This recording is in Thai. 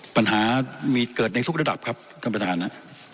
ปัญหามีเกิดในทุกระดับครับท่านประธานนะ